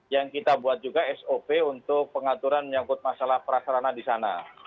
yang kita buat juga sop untuk pengaturan menyangkut masalah prasarana di sana